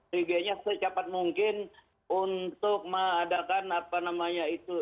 sejajarnya secepat mungkin untuk mengadakan apa namanya itu